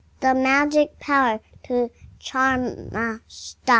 The magic power to charm us thus?